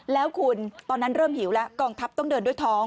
แล้วคุณตอนนั้นเริ่มหิวแล้วกองทัพต้องเดินด้วยท้อง